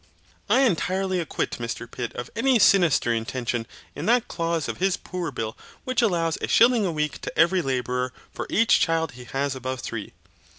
I entirely acquit Mr Pitt of any sinister intention in that clause of his Poor Bill which allows a shilling a week to every labourer for each child he has above three.